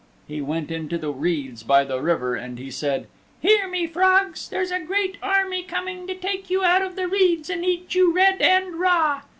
He went into the reeds by the river and he said, "Hear me, frogs! There's a great army coming to take you out of the reeds and eat you red and raw."